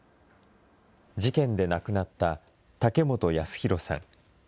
事件で亡くなった武本康弘さん。